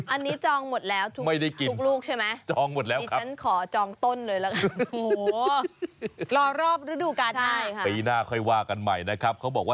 อ้าวทุกลูกคือแบบแล้ว